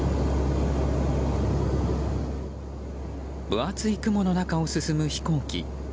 分厚い雲の中を進む飛行機。